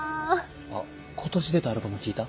あ今年出たアルバム聴いた？